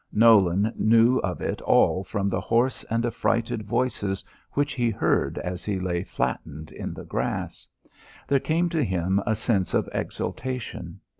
Nolan knew of it all from the hoarse and affrighted voices which he heard as he lay flattened in the grass. There came to him a sense of exultation.